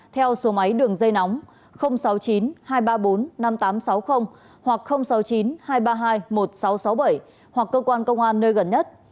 theo số máy đường dây nóng sáu mươi chín hai trăm ba mươi bốn năm nghìn tám trăm sáu mươi hoặc sáu mươi chín hai trăm ba mươi hai một nghìn sáu trăm sáu mươi bảy hoặc cơ quan công an nơi gần nhất